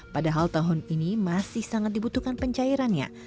padahal tahun ini masih sangat dibutuhkan pencairannya